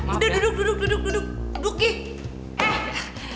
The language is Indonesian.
udah duduk duduk duduk duduk duduk iya